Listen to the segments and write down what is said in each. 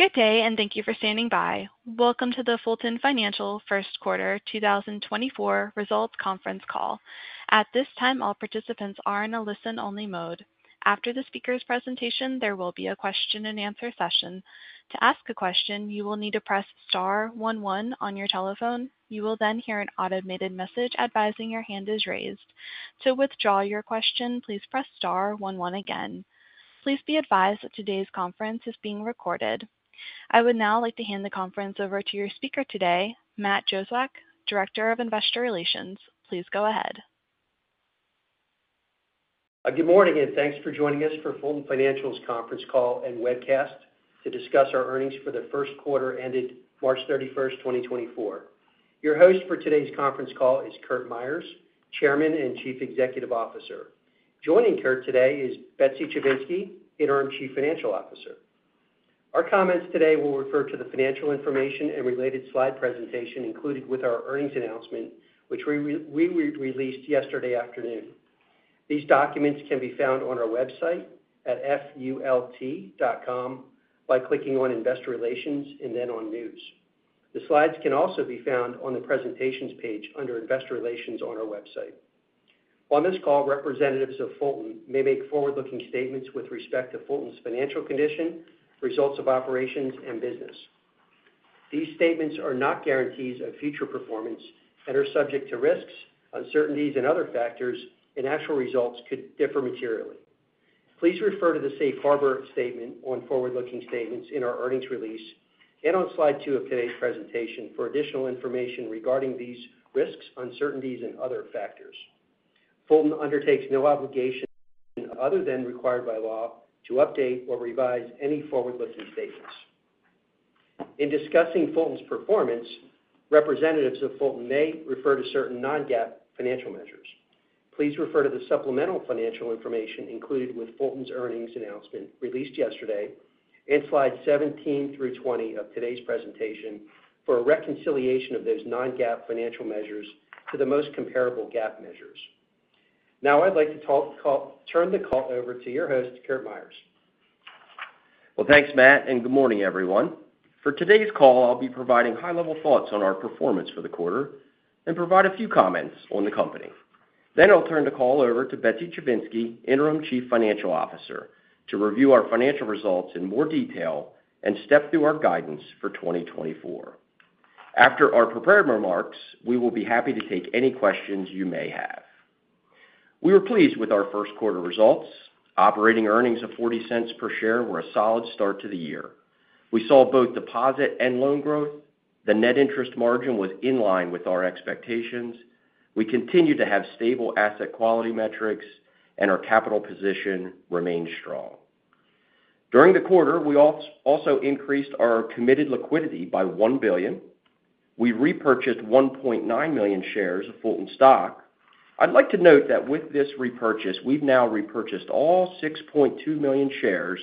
Good day, and thank you for standing by. Welcome to the Fulton Financial first quarter 2024 results conference call. At this time, all participants are in a listen-only mode. After the speaker's presentation, there will be a question-and-answer session. To ask a question, you will need to press star one one on your telephone. You will then hear an automated message advising your hand is raised. To withdraw your question, please press star one one again. Please be advised that today's conference is being recorded. I would now like to hand the conference over to your speaker today, Matt Jozwiak, Director of Investor Relations. Please go ahead. Good morning, and thanks for joining us for Fulton Financial's conference call and webcast to discuss our earnings for the first quarter ended March 31st, 2024. Your host for today's conference call is Curt Myers, Chairman and Chief Executive Officer. Joining Curt today is Beth Chivinski, Interim Chief Financial Officer. Our comments today will refer to the financial information and related slide presentation included with our earnings announcement, which we released yesterday afternoon. These documents can be found on our website at fult.com by clicking on Investor Relations and then on News. The slides can also be found on the presentations page under Investor Relations on our website. On this call, representatives of Fulton may make forward-looking statements with respect to Fulton's financial condition, results of operations, and business. These statements are not guarantees of future performance and are subject to risks, uncertainties, and other factors, in actual results could differ materially. Please refer to the Safe Harbor statement on forward-looking statements in our earnings release and on slide two of today's presentation for additional information regarding these risks, uncertainties, and other factors. Fulton undertakes no obligation other than required by law to update or revise any forward-looking statements. In discussing Fulton's performance, representatives of Fulton may refer to certain non-GAAP financial measures. Please refer to the supplemental financial information included with Fulton's earnings announcement released yesterday and slides 17 through 20 of today's presentation for a reconciliation of those non-GAAP financial measures to the most comparable GAAP measures. Now, I'd like to turn the call over to your host, Curt Myers. Well, thanks, Matt, and good morning, everyone. For today's call, I'll be providing high-level thoughts on our performance for the quarter and provide a few comments on the company. Then I'll turn the call over to Beth Chivinski, Interim Chief Financial Officer, to review our financial results in more detail and step through our guidance for 2024. After our prepared remarks, we will be happy to take any questions you may have. We were pleased with our first quarter results. Operating earnings of $0.40 per share were a solid start to the year. We saw both deposit and loan growth. The net interest margin was in line with our expectations. We continue to have stable asset quality metrics, and our capital position remains strong. During the quarter, we also increased our committed liquidity by $1 billion. We repurchased 1.9 million shares of Fulton stock. I'd like to note that with this repurchase, we've now repurchased all 6.2 million shares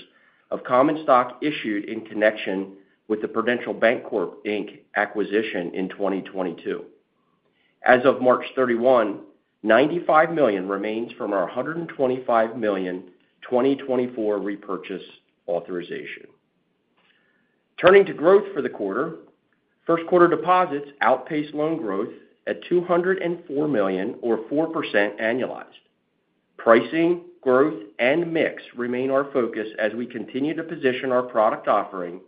of common stock issued in connection with the Prudential Bancorp, Inc. acquisition in 2022. As of March 31, 95 million remains from our 125 million 2024 repurchase authorization. Turning to growth for the quarter, first quarter deposits outpaced loan growth at $204 million or 4% annualized. Pricing, growth, and mix remain our focus as we continue to position our product offering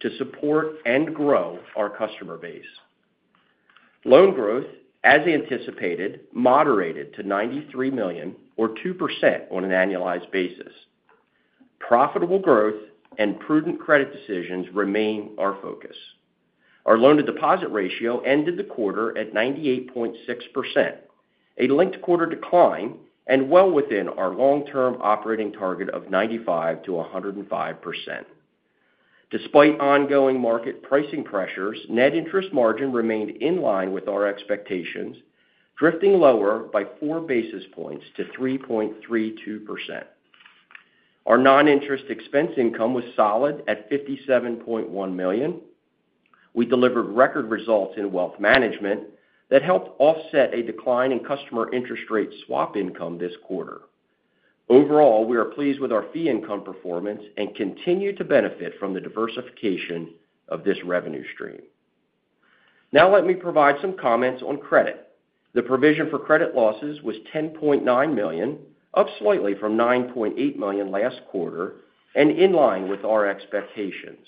to support and grow our customer base. Loan growth, as anticipated, moderated to $93 million or 2% on an annualized basis. Profitable growth and prudent credit decisions remain our focus. Our loan-to-deposit ratio ended the quarter at 98.6%, a linked quarter decline and well within our long-term operating target of 95%-105%. Despite ongoing market pricing pressures, net interest margin remained in line with our expectations, drifting lower by 4 basis points to 3.32%. Our noninterest income was solid at $57.1 million. We delivered record results in wealth management that helped offset a decline in customer interest rate swap income this quarter. Overall, we are pleased with our fee income performance and continue to benefit from the diversification of this revenue stream. Now, let me provide some comments on credit. The provision for credit losses was $10.9 million, up slightly from $9.8 million last quarter and in line with our expectations.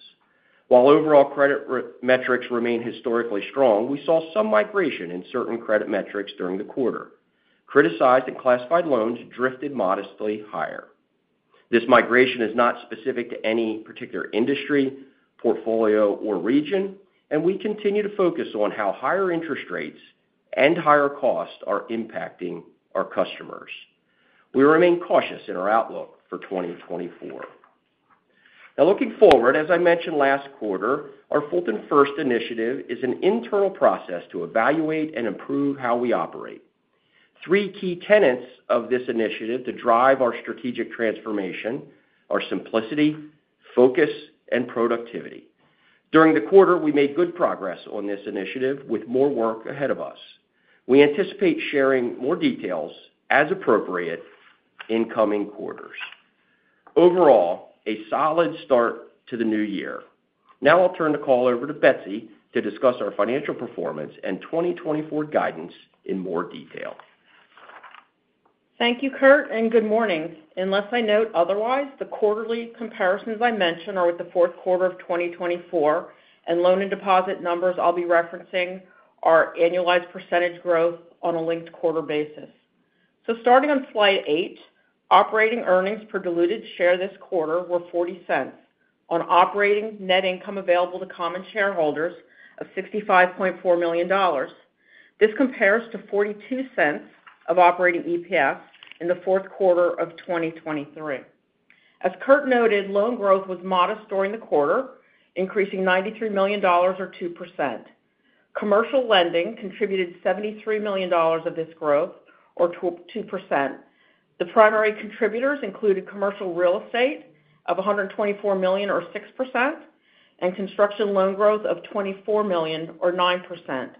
While overall credit metrics remain historically strong, we saw some migration in certain credit metrics during the quarter. Criticized and classified loans drifted modestly higher. This migration is not specific to any particular industry, portfolio, or region, and we continue to focus on how higher interest rates and higher costs are impacting our customers. We remain cautious in our outlook for 2024. Now, looking forward, as I mentioned last quarter, our Fulton First initiative is an internal process to evaluate and improve how we operate. Three key tenets of this initiative to drive our strategic transformation are simplicity, focus, and productivity. During the quarter, we made good progress on this initiative with more work ahead of us. We anticipate sharing more details as appropriate in coming quarters. Overall, a solid start to the new year. Now, I'll turn the call over to Bethy to discuss our financial performance and 2024 guidance in more detail. Thank you, Curt, and good morning. Unless I note otherwise, the quarterly comparisons I mention are with the fourth quarter of 2024, and loan-to-deposit numbers I'll be referencing are annualized percentage growth on a linked quarter basis. So starting on slide eight, operating earnings per diluted share this quarter were $0.40. On operating net income available to common shareholders of $65.4 million, this compares to $0.42 of operating EPS in the fourth quarter of 2023. As Curt noted, loan growth was modest during the quarter, increasing $93 million or 2%. Commercial lending contributed $73 million of this growth or 2%. The primary contributors included commercial real estate of $124 million or 6% and construction loan growth of $24 million or 9%,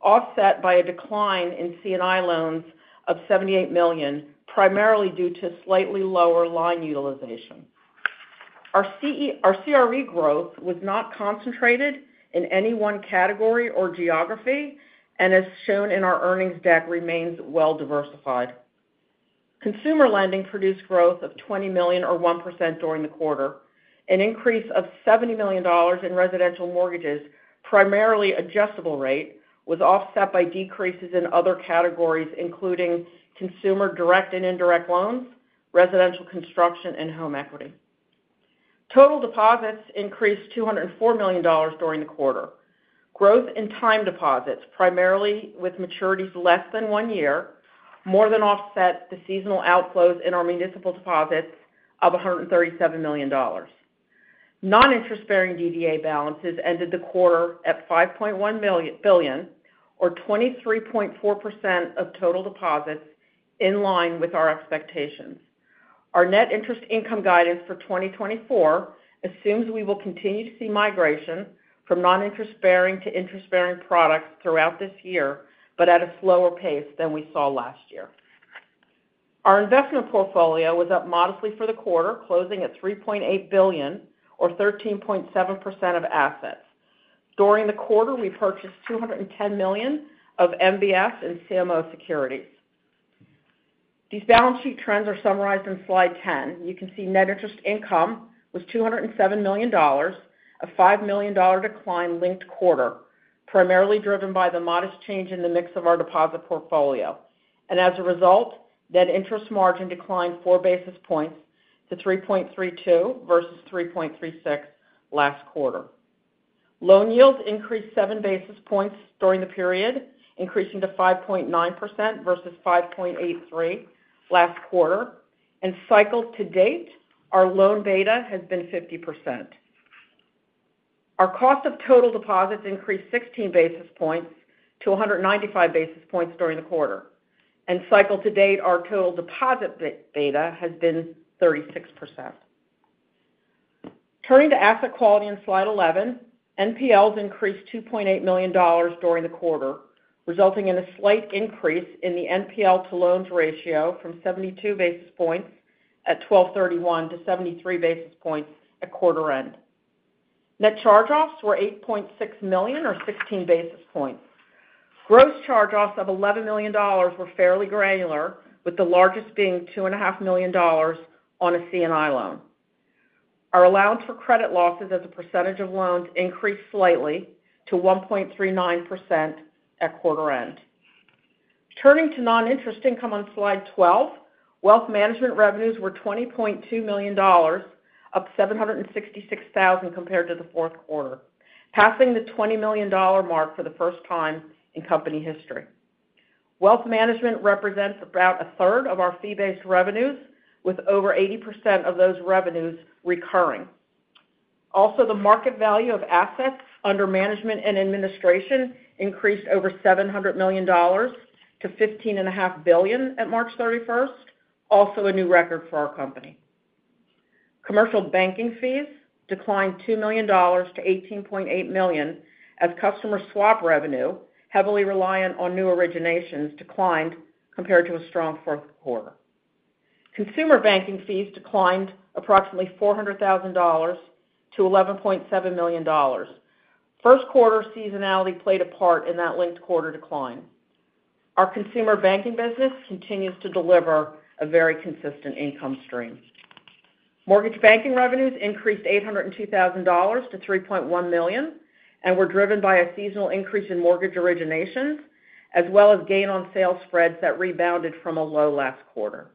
offset by a decline in C&I loans of $78 million, primarily due to slightly lower line utilization. Our CRE growth was not concentrated in any one category or geography, and as shown in our earnings deck, remains well diversified. Consumer lending produced growth of $20 million or 1% during the quarter. An increase of $70 million in residential mortgages, primarily adjustable rate, was offset by decreases in other categories including consumer direct and indirect loans, residential construction, and home equity. Total deposits increased $204 million during the quarter. Growth in time deposits, primarily with maturities less than one year, more than offset the seasonal outflows in our municipal deposits of $137 million. Non-interest-bearing DDA balances ended the quarter at $5.1 billion or 23.4% of total deposits, in line with our expectations. Our net interest income guidance for 2024 assumes we will continue to see migration from non-interest-bearing to interest-bearing products throughout this year, but at a slower pace than we saw last year. Our investment portfolio was up modestly for the quarter, closing at $3.8 billion or 13.7% of assets. During the quarter, we purchased $210 million of MBS and CMO securities. These balance sheet trends are summarized in slide 10. You can see net interest income was $207 million, a $5 million decline linked quarter, primarily driven by the modest change in the mix of our deposit portfolio. As a result, net interest margin declined four basis points to 3.32% versus 3.36% last quarter. Loan yields increased seven basis points during the period, increasing to 5.9% versus 5.83% last quarter. Cycle to-date, our loan beta has been 50%. Our cost of total deposits increased 16 basis points to 195 basis points during the quarter. Cycle to date, our total deposit beta has been 36%. Turning to asset quality on slide 11, NPLs increased $2.8 million during the quarter, resulting in a slight increase in the NPL to loans ratio from 72 basis points at 12/31 to 73 basis points at quarter end. Net charge-offs were $8.6 million or 16 basis points. Gross charge-offs of $11 million were fairly granular, with the largest being $2.5 million on a C&I loan. Our allowance for credit losses as a percentage of loans increased slightly to 1.39% at quarter end. Turning to non-interest income on slide 12, wealth management revenues were $20.2 million, up $766,000 compared to the fourth quarter, passing the $20 million mark for the first time in company history. Wealth management represents about a third of our fee-based revenues, with over 80% of those revenues recurring. Also, the market value of assets under management and administration increased over $700 million to $15.5 billion at March 31st, also a new record for our company. Commercial banking fees declined $2 million to $18.8 million as customer swap revenue, heavily reliant on new originations, declined compared to a strong fourth quarter. Consumer banking fees declined approximately $400,000 to $11.7 million. First quarter seasonality played a part in that linked quarter decline. Our consumer banking business continues to deliver a very consistent income stream. Mortgage banking revenues increased $802,000-$3.1 million and were driven by a seasonal increase in mortgage originations, as well as gain-on-sale spreads that rebounded from a low last quarter.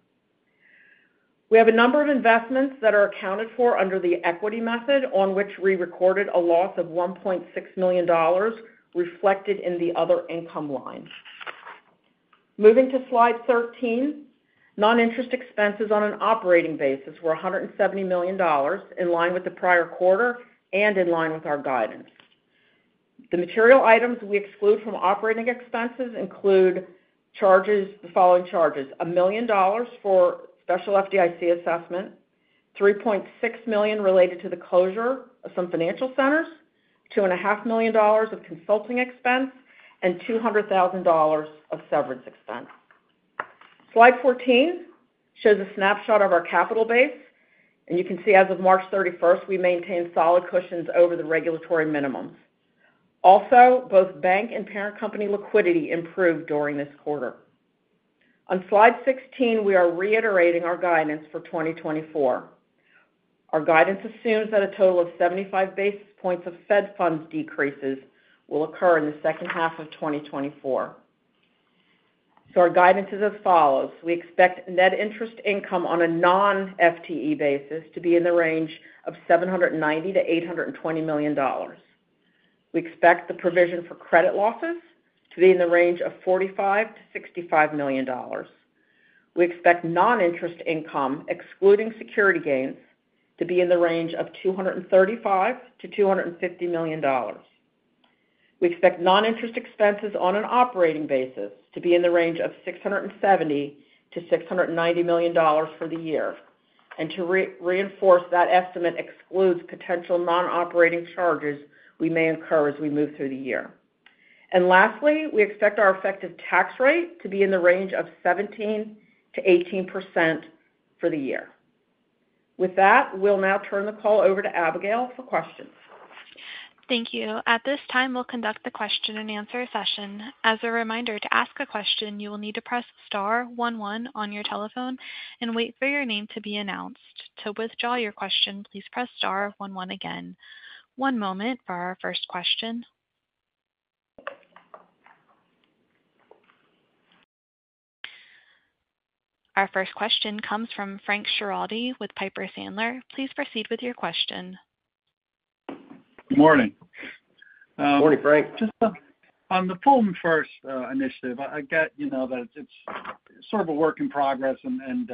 We have a number of investments that are accounted for under the equity method on which we recorded a loss of $1.6 million reflected in the other income line. Moving to slide 13, non-interest expenses on an operating basis were $170 million, in line with the prior quarter and in line with our guidance. The material items we exclude from operating expenses include the following charges: $1 million for special FDIC assessment, $3.6 million related to the closure of some financial centers, $2.5 million of consulting expense, and $200,000 of severance expense. Slide 14 shows a snapshot of our capital base, and you can see as of March 31st, we maintain solid cushions over the regulatory minimums. Also, both bank and parent company liquidity improved during this quarter. On slide 16, we are reiterating our guidance for 2024. Our guidance assumes that a total of 75 basis points of Fed funds decreases will occur in the second half of 2024. So our guidance is as follows. We expect net interest income on a non-FTE basis to be in the range of $790 million-$820 million. We expect the provision for credit losses to be in the range of $45 million-$65 million. We expect non-interest income, excluding security gains, to be in the range of $235 million-$250 million. We expect non-interest expenses on an operating basis to be in the range of $670 million-$690 million for the year. To reinforce, that estimate excludes potential non-operating charges we may incur as we move through the year. Lastly, we expect our effective tax rate to be in the range of 17%-18% for the year. With that, we'll now turn the call over to Abigail for questions. Thank you. At this time, we'll conduct the question-and-answer session. As a reminder, to ask a question, you will need to press star one one on your telephone and wait for your name to be announced. To withdraw your question, please press star one one again. One moment for our first question. Our first question comes from Frank Schiraldi with Piper Sandler. Please proceed with your question. Good morning. Morning, Frank. Just on the Fulton First initiative, I got that it's sort of a work in progress and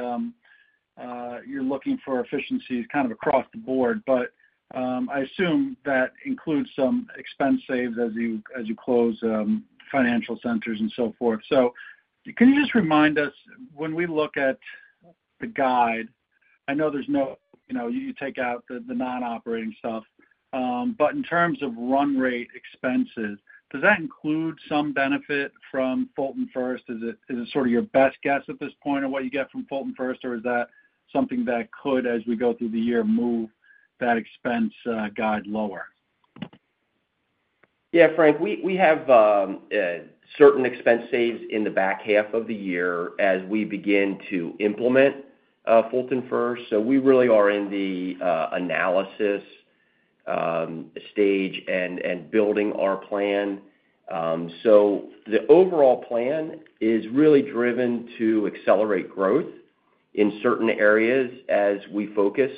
you're looking for efficiencies kind of across the board, but I assume that includes some expense saves as you close financial centers and so forth. So can you just remind us, when we look at the guide, I know there's no, you take out the non-operating stuff, but in terms of run rate expenses, does that include some benefit from Fulton First? Is it sort of your best guess at this point of what you get from Fulton First, or is that something that could, as we go through the year, move that expense guide lower? Yeah, Frank. We have certain expense saves in the back half of the year as we begin to implement Fulton First. So we really are in the analysis stage and building our plan. So the overall plan is really driven to accelerate growth in certain areas as we focus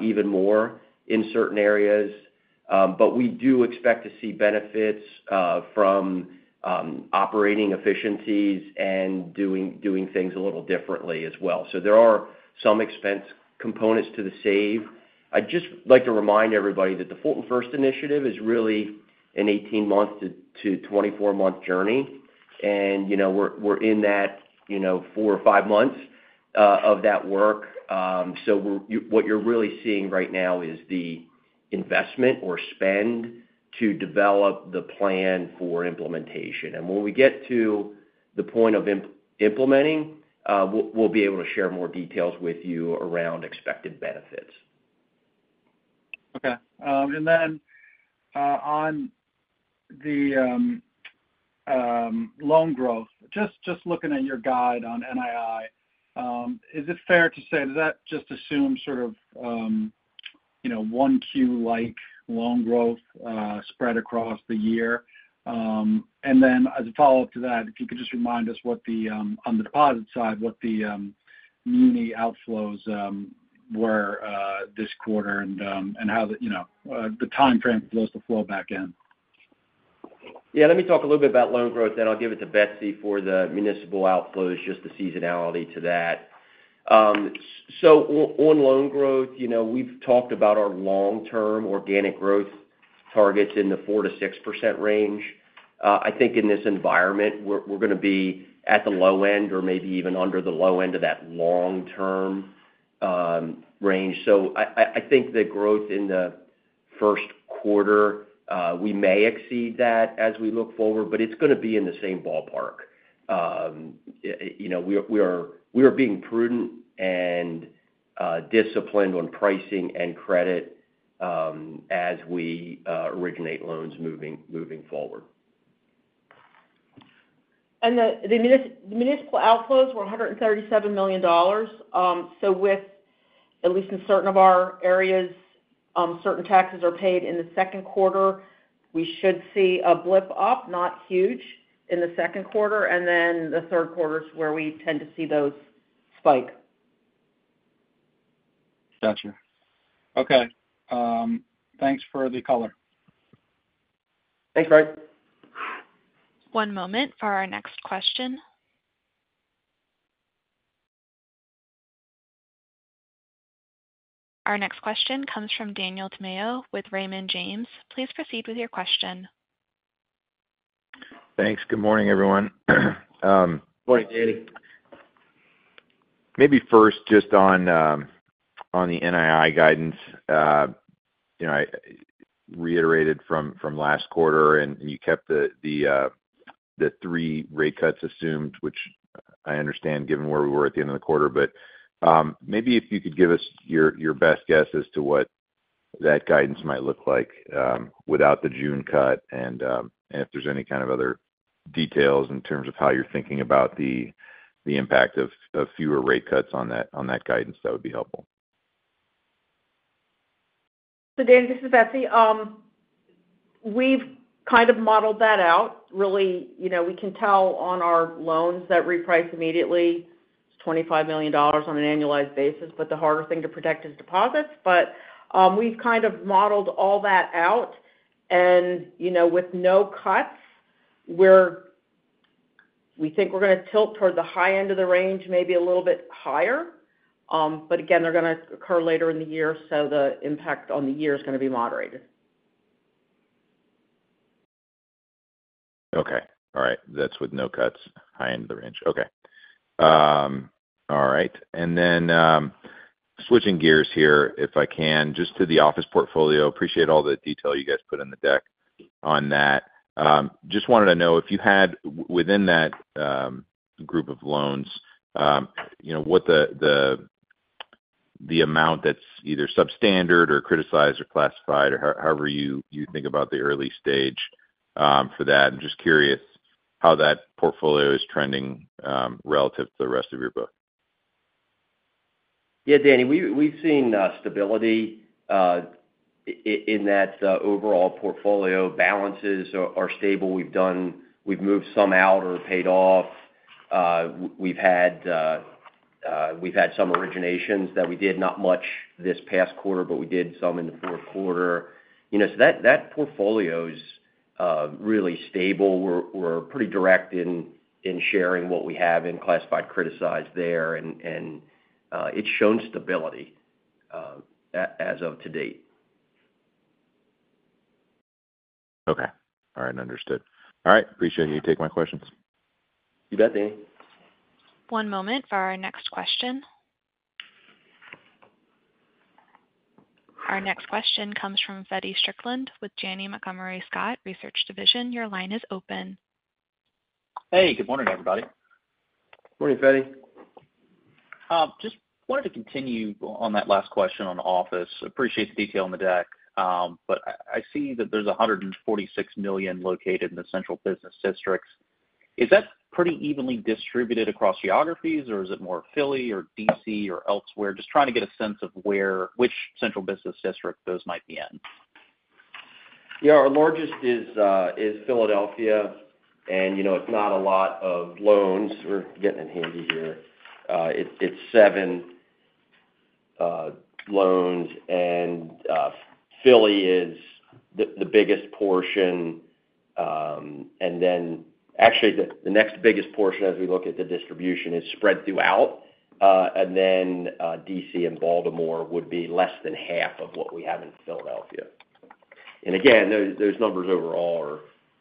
even more in certain areas. But we do expect to see benefits from operating efficiencies and doing things a little differently as well. So there are some expense components to the save. I'd just like to remind everybody that the Fulton First initiative is really an 18-month-24-month journey, and we're in that 4 or 5 months of that work. So what you're really seeing right now is the investment or spend to develop the plan for implementation. When we get to the point of implementing, we'll be able to share more details with you around expected benefits. Okay. Then on the loan growth, just looking at your guide on NII, is it fair to say does that just assume sort of 1Q-like loan growth spread across the year? Then as a follow-up to that, if you could just remind us on the deposit side, what the muni outflows were this quarter and how the time frame flows to flow back in. Yeah, let me talk a little bit about loan growth, then I'll give it to Bethy for the municipal outflows, just the seasonality to that. So on loan growth, we've talked about our long-term organic growth targets in the 4%-6% range. I think in this environment, we're going to be at the low end or maybe even under the low end of that long-term range. So I think the growth in the first quarter, we may exceed that as we look forward, but it's going to be in the same ballpark. We are being prudent and disciplined on pricing and credit as we originate loans moving forward. The municipal outflows were $137 million. So with at least in certain of our areas, certain taxes are paid in the second quarter. We should see a blip up, not huge, in the second quarter, and then the third quarter is where we tend to see those spike. Gotcha. Okay. Thanks for the color. Thanks, Frank. One moment for our next question. Our next question comes from Daniel Tamayo with Raymond James. Please proceed with your question. Thanks. Good morning, everyone. Good morning, Danny. Maybe first just on the NII guidance reiterated from last quarter, and you kept the three rate cuts assumed, which I understand given where we were at the end of the quarter. But maybe if you could give us your best guess as to what that guidance might look like without the June cut and if there's any kind of other details in terms of how you're thinking about the impact of fewer rate cuts on that guidance, that would be helpful. So Danny, this is Bethy. We've kind of modeled that out. Really, we can tell on our loans that reprice immediately. It's $25 million on an annualized basis, but the harder thing to protect is deposits. But we've kind of modeled all that out and with no cuts, we think we're going to tilt toward the high end of the range, maybe a little bit higher. But again, they're going to occur later in the year, so the impact on the year is going to be moderated. Okay. All right. That's with no cuts, high end of the range. Okay. All right. Then switching gears here, if I can, just to the office portfolio. Appreciate all the detail you guys put in the deck on that. Just wanted to know if you had, within that group of loans, what the amount that's either substandard or criticized or classified or however you think about the early stage for that and just curious how that portfolio is trending relative to the rest of your book. Yeah, Danny. We've seen stability in that overall portfolio. Balances are stable. We've moved some out or paid off. We've had some originations that we did not much this past quarter, but we did some in the fourth quarter. So that portfolio is really stable. We're pretty direct in sharing what we have in classified, criticized there, and it's shown stability as of today. Okay. All right. Understood. All right. Appreciate you taking my questions. You bet, Danny. One moment for our next question. Our next question comes from Feddie Strickland with Janney Montgomery Scott, Research Division. Your line is open. Hey. Good morning, everybody. Morning, Feddie. Just wanted to continue on that last question on the office. Appreciate the detail in the deck, but I see that there's $146 million located in the central business districts. Is that pretty evenly distributed across geographies, or is it more Philly or D.C. or elsewhere? Just trying to get a sense of which central business district those might be in? Yeah. Our largest is Philadelphia, and it's not a lot of loans. We're getting it handy here. It's seven loans, and Philly is the biggest portion. Then actually, the next biggest portion, as we look at the distribution, is spread throughout. Then D.C. and Baltimore would be less than half of what we have in Philadelphia. Again, those numbers overall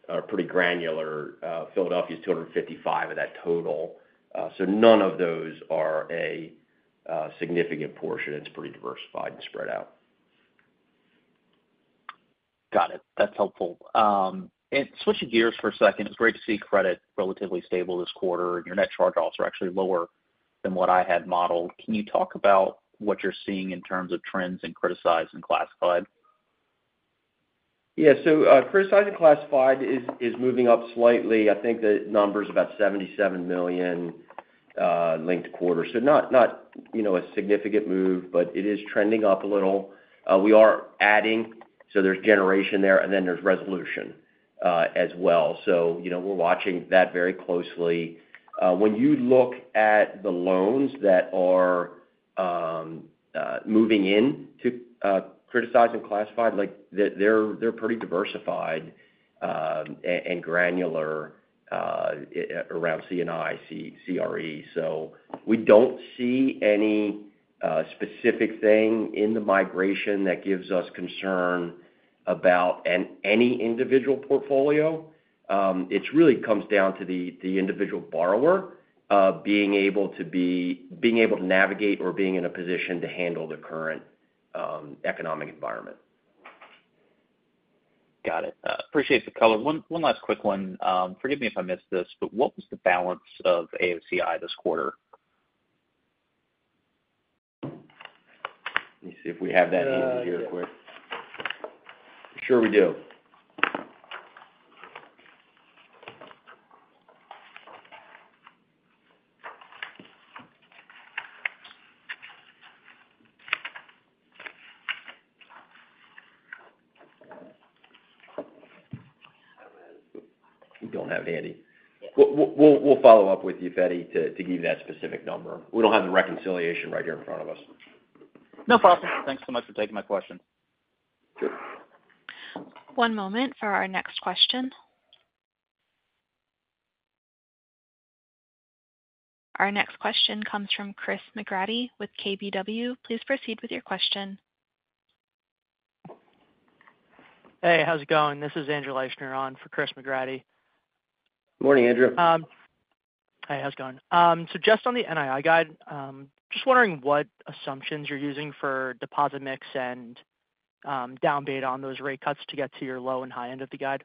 are pretty granular. Philadelphia is $255 of that total. So none of those are a significant portion. It's pretty diversified and spread out. Got it. That's helpful. Switching gears for a second, it's great to see credit relatively stable this quarter, and your net charge offs are actually lower than what I had modeled. Can you talk about what you're seeing in terms of trends in criticized and classified? Yeah. So criticized and classified is moving up slightly. I think the number is about $77 million linked quarter. So not a significant move, but it is trending up a little. We are adding, so there's generation there, and then there's resolution as well. So we're watching that very closely. When you look at the loans that are moving into criticized and classified, they're pretty diversified and granular around C&I, CRE. So we don't see any specific thing in the migration that gives us concern about any individual portfolio. It really comes down to the individual borrower being able to navigate or being in a position to handle the current economic environment. Got it. Appreciate the color. One last quick one. Forgive me if I missed this, but what was the balance of AOCI this quarter? Let me see if we have that here quick. Sure, we do. We don't have it handy. We'll follow up with you, Feddie, to give you that specific number. We don't have the reconciliation right here in front of us. No problem. Thanks so much for taking my question. Sure. One moment for our next question. Our next question comes from Chris McGratty with KBW. Please proceed with your question. Hey. How's it going? This is Andrew Leischner on for Chris McGratty. Good morning, Andrew. Hey. How's it going? So just on the NII guide, just wondering what assumptions you're using for deposit mix and down beta on those rate cuts to get to your low and high end of the guide.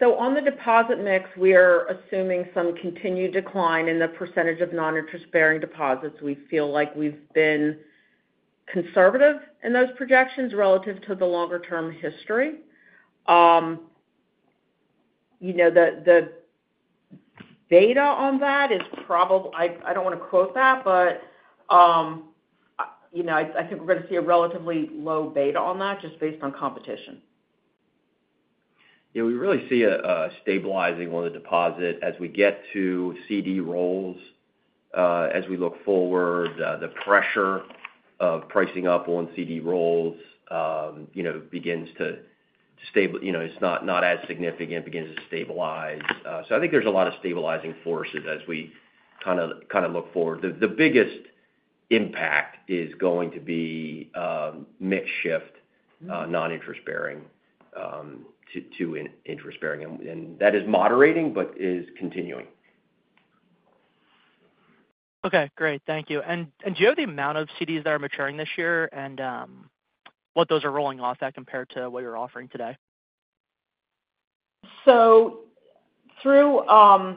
So on the deposit mix, we are assuming some continued decline in the percentage of non-interest-bearing deposits. We feel like we've been conservative in those projections relative to the longer-term history. The beta on that is probably I don't want to quote that, but I think we're going to see a relatively low beta on that just based on competition. Yeah. We really see a stabilizing on the deposits. As we get to CD rolls, as we look forward, the pressure of pricing up on CD rolls begins to stabilize. It's not as significant, begins to stabilize. So I think there's a lot of stabilizing forces as we kind of look forward. The biggest impact is going to be mix shift non-interest-bearing to interest-bearing and that is moderating but is continuing. Okay. Great. Thank you. Do you have the amount of CDs that are maturing this year and what those are rolling off at compared to what you're offering today? Through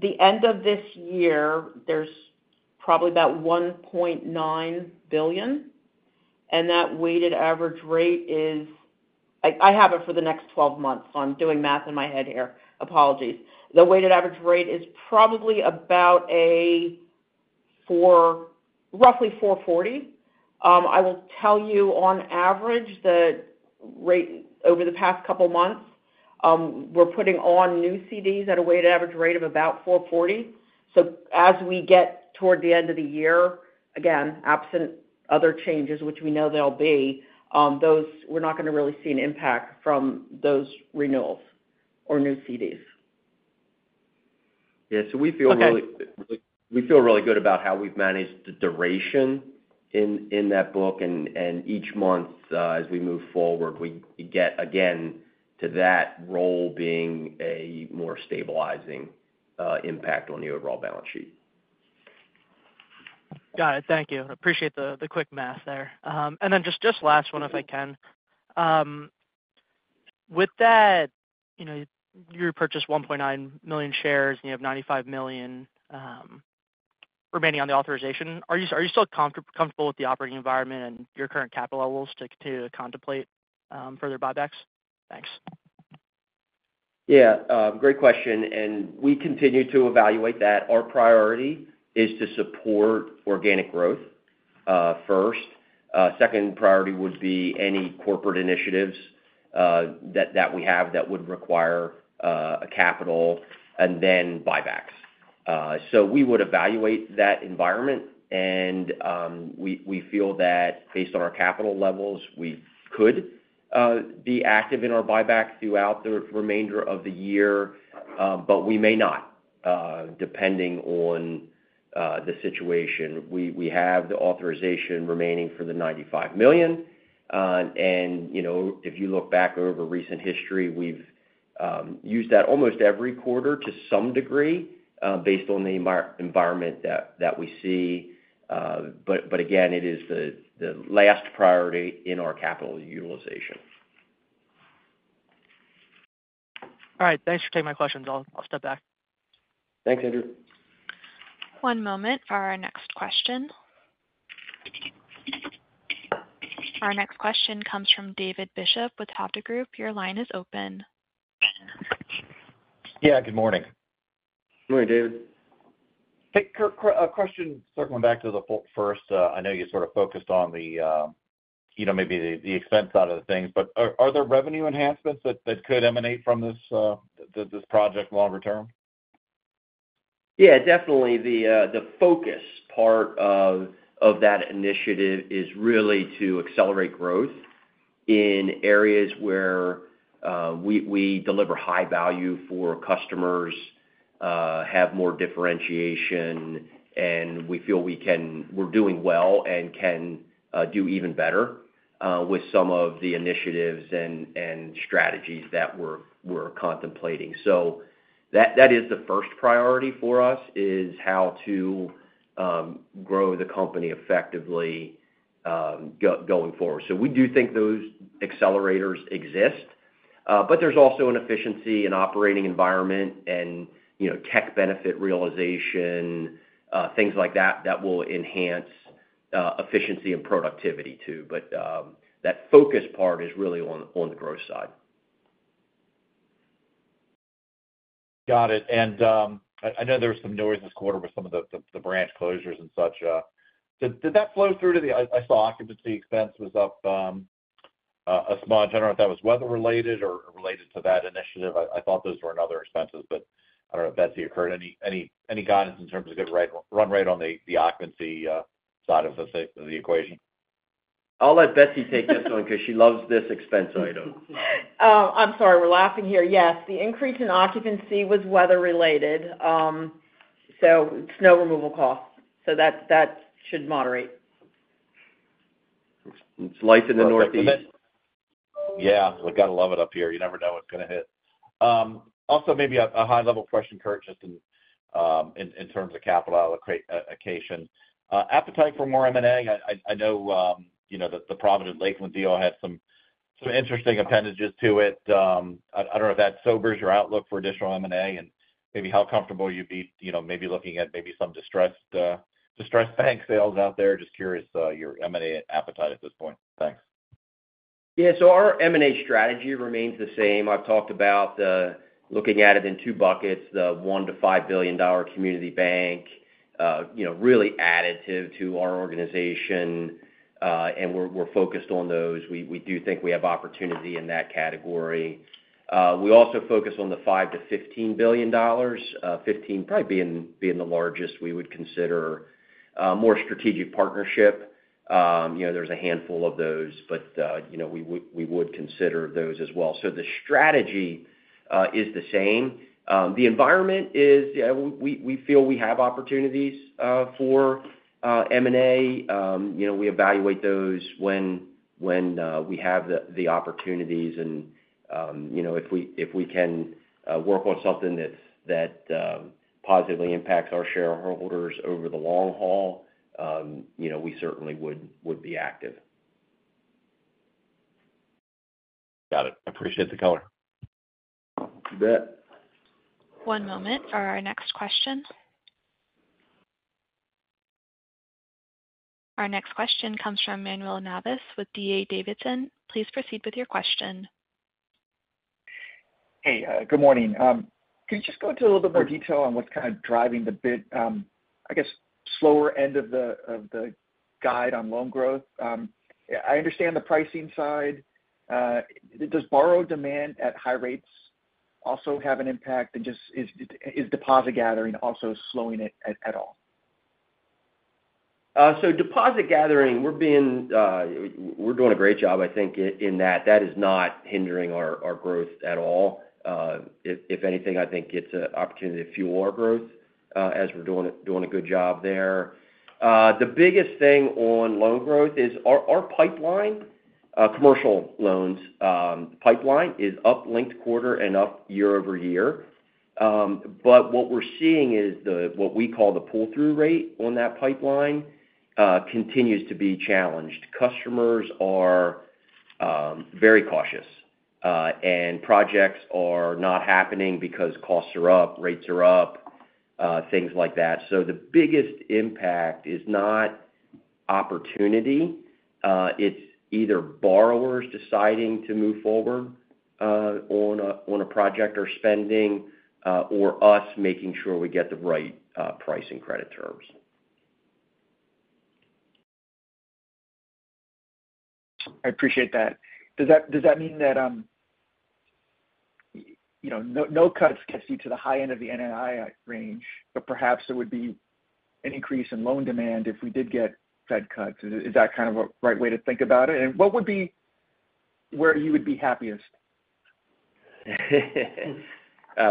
the end of this year, there's probably about $1.9 billion. That weighted average rate is—I have it for the next 12 months, so I'm doing math in my head here. Apologies. The weighted average rate is probably about roughly 440. I will tell you, on average, that over the past couple of months, we're putting on new CDs at a weighted average rate of about 440. So as we get toward the end of the year, again, absent other changes, which we know there'll be, we're not going to really see an impact from those renewals or new CDs. Yeah. So we feel really good about how we've managed the duration in that book. Each month, as we move forward, we get, again, to that roll being a more stabilizing impact on the overall balance sheet. Got it. Thank you. Appreciate the quick math there. Then just last one, if I can. With that, you repurchased 1.9 million shares, and you have 95 million remaining on the authorization. Are you still comfortable with the operating environment and your current capital levels to continue to contemplate further buybacks? Thanks. Yeah. Great question. We continue to evaluate that. Our priority is to support organic growth first. Second priority would be any corporate initiatives that we have that would require a capital and then buybacks. We would evaluate that environment. We feel that based on our capital levels, we could be active in our buyback throughout the remainder of the year, but we may not depending on the situation. We have the authorization remaining for the $95 million. If you look back over recent history, we've used that almost every quarter to some degree based on the environment that we see. But again, it is the last priority in our capital utilization. All right. Thanks for taking my questions. I'll step back. Thanks, Andrew. One moment for our next question. Our next question comes from David Bishop with Hovde Group. Your line is open. Yeah. Good morning. Good morning, David. Hey. A question circling back to the Fulton First. I know you sort of focused on maybe the expense side of the things, but are there revenue enhancements that could emanate from this project longer term? Yeah. Definitely. The focus part of that initiative is really to accelerate growth in areas where we deliver high value for customers, have more differentiation, and we feel we're doing well and can do even better with some of the initiatives and strategies that we're contemplating. So that is the first priority for us is how to grow the company effectively going forward. So we do think those accelerators exist, but there's also an efficiency and operating environment and tech benefit realization, things like that that will enhance efficiency and productivity too. But that focus part is really on the growth side. Got it. I know there was some noise this quarter with some of the branch closures and such. Did that flow through? I saw occupancy expense was up a smidge. I don't know if that was weather-related or related to that initiative. I thought those were other expenses, but I don't know if that occurred. Any guidance in terms of the run rate on the occupancy side of the equation? I'll let Beth take this one because she loves this expense item. I'm sorry. We're laughing here. Yes. The increase in occupancy was weather-related, so snow removal costs. That should moderate. It's life in the Northeast. Yeah. We got to love it up here. You never know what's going to hit. Also, maybe a high-level question, Curt, just in terms of capital allocation. Appetite for more M&A? I know the Provident Lakeland deal had some interesting appendages to it. I don't know if that sobers your outlook for additional M&A and maybe how comfortable you'd be maybe looking at maybe some distressed bank sales out there. Just curious your M&A appetite at this point. Thanks. Yeah. So our M&A strategy remains the same. I've talked about looking at it in two buckets, the $1 billion-$5 billion community bank, really additive to our organization, and we're focused on those. We do think we have opportunity in that category. We also focus on the $5 billion-$15 billion. $15 billion probably being the largest. We would consider more strategic partnership. There's a handful of those, but we would consider those as well. So the strategy is the same. The environment is, yeah, we feel we have opportunities for M&A. We evaluate those when we have the opportunities and if we can work on something that positively impacts our shareholders over the long haul, we certainly would be active. Got it. Appreciate the color. You bet. One moment for our next question. Our next question comes from Manuel Navas with D.A. Davidson. Please proceed with your question. Hey. Good morning. Could you just go into a little bit more detail on what's kind of driving the bit, I guess, slower end of the guide on loan growth? I understand the pricing side. Does borrow demand at high rates also have an impact, and is deposit gathering also slowing it at all? So deposit gathering, we're doing a great job, I think, in that. That is not hindering our growth at all. If anything, I think it's an opportunity to fuel our growth as we're doing a good job there. The biggest thing on loan growth is our pipeline, commercial loans pipeline, is up, linked quarter and up year-over-year. But what we're seeing is what we call the pull-through rate on that pipeline continues to be challenged. Customers are very cautious, and projects are not happening because costs are up, rates are up, things like that. So the biggest impact is not opportunity. It's either borrowers deciding to move forward on a project or spending or us making sure we get the right pricing, credit terms. I appreciate that. Does that mean that no cuts gets you to the high end of the NII range, but perhaps there would be an increase in loan demand if we did get Fed cuts? Is that kind of a right way to think about it? What would be where you would be happiest?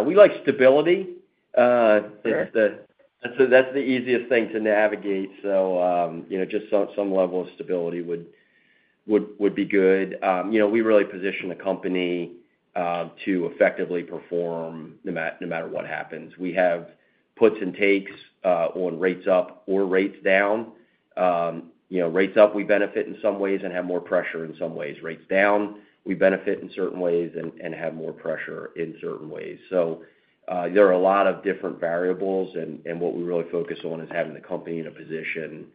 We like stability. That's the easiest thing to navigate. So just some level of stability would be good. We really position the company to effectively perform no matter what happens. We have puts and takes on rates up or rates down. Rates up, we benefit in some ways and have more pressure in some ways. Rates down, we benefit in certain ways and have more pressure in certain ways. So there are a lot of different variables, and what we really focus on is having the company in a position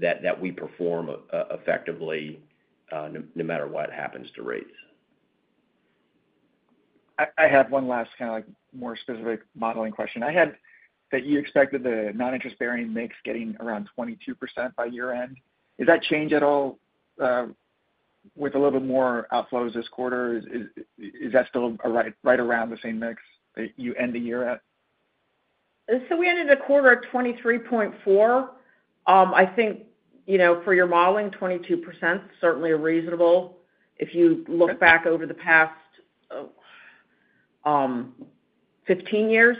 that we perform effectively no matter what happens to rates. I have one last kind of more specific modeling question. I had that you expected the non-interest-bearing mix getting around 22% by year-end. Does that change at all with a little bit more outflows this quarter? Is that still right around the same mix that you end the year at? We ended the quarter at 23.4. I think for your modeling, 22% is certainly reasonable. If you look back over the past 15 years,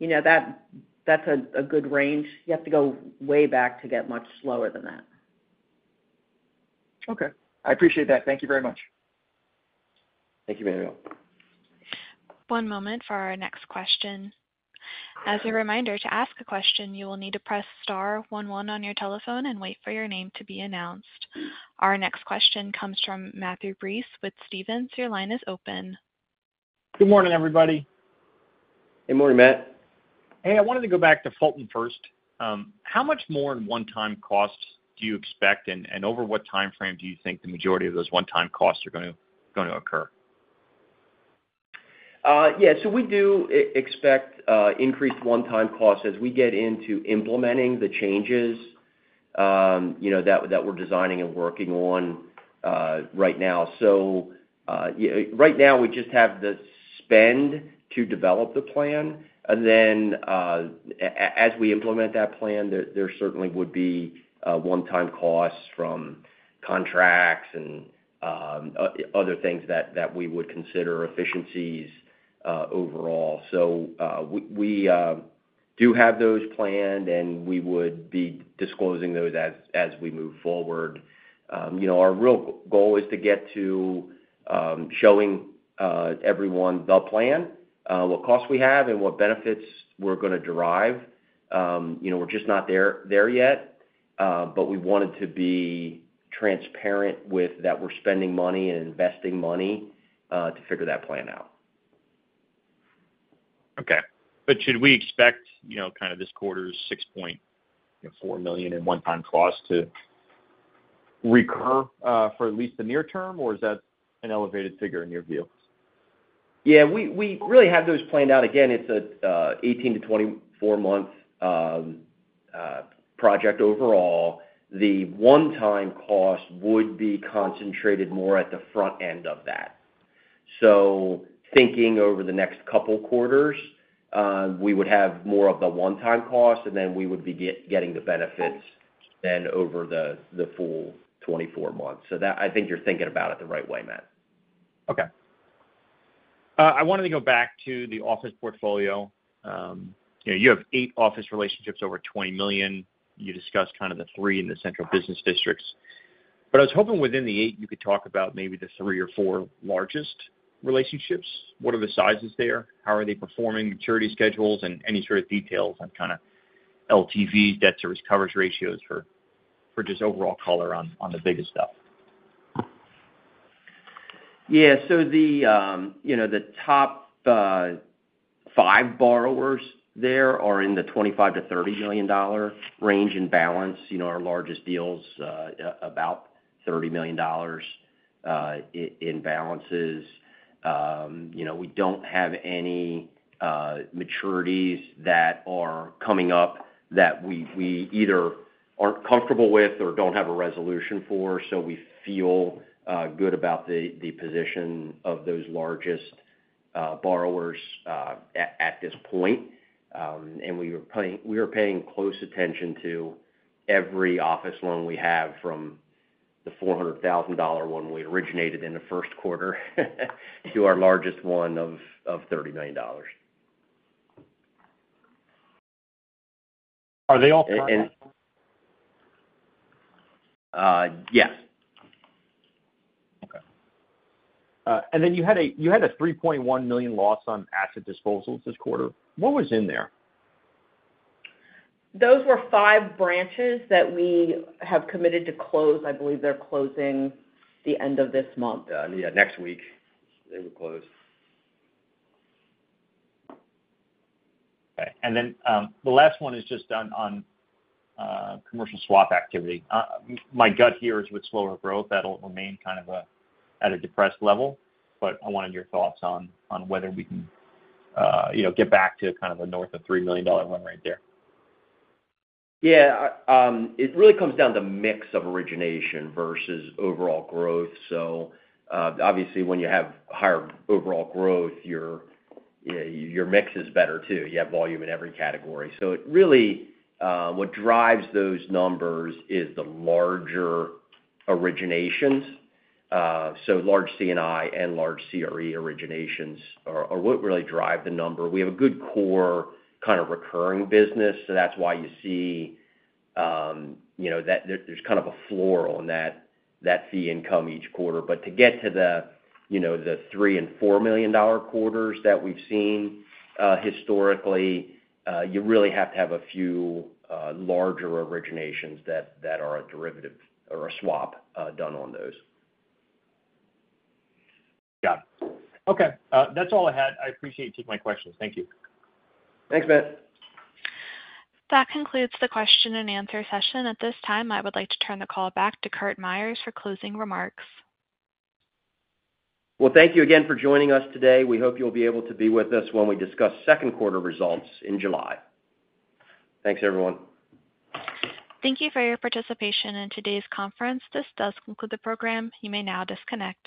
that's a good range. You have to go way back to get much slower than that. Okay. I appreciate that. Thank you very much. Thank you, Manuel. One moment for our next question. As a reminder, to ask a question, you will need to press star one one on your telephone and wait for your name to be announced. Our next question comes from Matthew Breese with Stephens. Your line is open. Good morning, everybody. Hey, morning, Matt. Hey. I wanted to go back to Fulton First. How much more in one-time costs do you expect, and over what time frame do you think the majority of those one-time costs are going to occur? Yeah. So we do expect increased one-time costs as we get into implementing the changes that we're designing and working on right now. So right now, we just have the spend to develop the plan. Then as we implement that plan, there certainly would be one-time costs from contracts and other things that we would consider efficiencies overall. So we do have those planned, and we would be disclosing those as we move forward. Our real goal is to get to showing everyone the plan, what costs we have, and what benefits we're going to derive. We're just not there yet, but we wanted to be transparent with that we're spending money and investing money to figure that plan out. Okay, but should we expect kind of this quarter's $6.4 million in one-time costs to recur for at least the near term, or is that an elevated figure in your view? Yeah. We really have those planned out. Again, it's an 18-24-month project overall. The one-time cost would be concentrated more at the front end of that. So thinking over the next couple of quarters, we would have more of the one-time cost, and then we would be getting the benefits then over the full 24 months. So I think you're thinking about it the right way, Matt. Okay. I wanted to go back to the office portfolio. You have eight office relationships over $20 million. You discussed kind of the three in the central business districts. But I was hoping within the eight, you could talk about maybe the three or four largest relationships. What are the sizes there? How are they performing? Maturity schedules and any sort of details on kind of LTVs, debt-to-risk coverage ratios for just overall color on the biggest stuff? Yeah. So the top five borrowers there are in the $25 million-$30 million range in balance. Our largest deals, about $30 million in balances. We don't have any maturities that are coming up that we either aren't comfortable with or don't have a resolution for, so we feel good about the position of those largest borrowers at this point and we are paying close attention to every office loan we have from the $400,000 one we originated in the first quarter to our largest one of $30 million. Are they all current? Yes. Okay. Then you had a $3.1 million loss on asset disposals this quarter. What was in there? Those were five branches that we have committed to close. I believe they're closing the end of this month. Yeah. Next week, they will close. Okay. Then the last one is just on commercial swap activity. My gut here is with slower growth, that'll remain kind of at a depressed level, but I wanted your thoughts on whether we can get back to kind of the north of $3 million one right there. Yeah. It really comes down to mix of origination versus overall growth. So obviously, when you have higher overall growth, your mix is better too. You have volume in every category. So really, what drives those numbers is the larger originations. So large C&I and large CRE originations are what really drive the number. We have a good core kind of recurring business, so that's why you see that there's kind of a floor in that fee income each quarter. But to get to the $3 million and $4 million quarters that we've seen historically, you really have to have a few larger originations that are a derivative or a swap done on those. Got it. Okay. That's all I had. I appreciate you taking my questions. Thank you. Thanks, Matt. That concludes the question-and-answer session. At this time, I would like to turn the call back to Curt Myers for closing remarks. Well, thank you again for joining us today. We hope you'll be able to be with us when we discuss second quarter results in July. Thanks, everyone. Thank you for your participation in today's conference. This does conclude the program. You may now disconnect.